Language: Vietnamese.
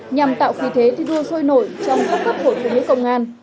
nhằm tạo khí thế thi đua sôi nổi trong các cấp hội phụ nữ công an